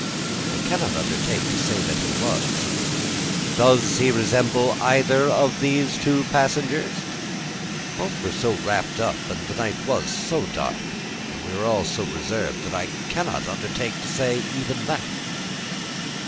"I cannot undertake to say that he was." "Does he resemble either of these two passengers?" "Both were so wrapped up, and the night was so dark, and we were all so reserved, that I cannot undertake to say even that."